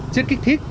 chất kích thích